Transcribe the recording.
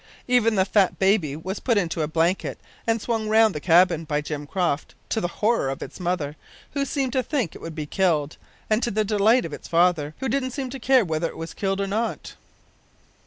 Even the fat baby was put into a blanket and swung round the cabin by Jim Croft, to the horror of its mother, who seemed to think it would be killed, and to the delight of its father, who didn't seem to care whether it was killed or not.